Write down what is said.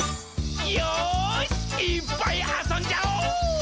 よーし、いーっぱいあそんじゃお！